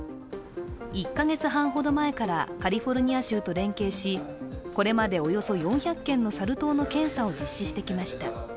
１カ月半ほど前からカリフォルニア州と連携しこれまでおよそ４００件のサル痘の検査を実施してきました。